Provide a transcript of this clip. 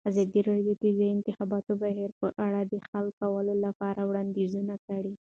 ازادي راډیو د د انتخاباتو بهیر په اړه د حل کولو لپاره وړاندیزونه کړي.